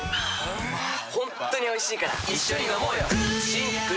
ホントにおいしいから一緒にのもうよ覆个△